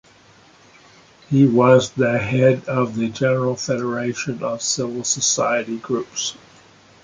He was the head of the General Federation of Civil Society Groups.